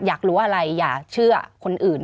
อยากรู้อะไรอย่าเชื่อคนอื่น